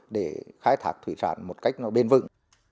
để khai thác thủy sản một cách bên vực